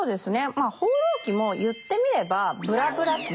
まあ「放浪記」も言ってみれば「ブラブラ記」ですね。